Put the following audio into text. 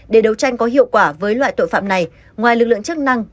để đấu tranh có hiệu quả với loại tội phạm này ngoài lực lượng chức năng